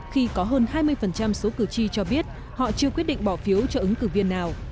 khi có hơn hai mươi số cử tri cho biết họ chưa quyết định bỏ phiếu cho ứng cử viên nào